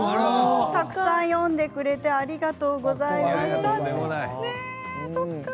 たくさんよんでくれてありがとうございました。